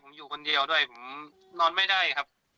ผมอยู่คนเดียวด้วยผมนอนไม่ได้ครับ